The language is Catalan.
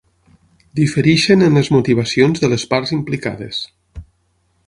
Difereixen en les motivacions de les parts implicades.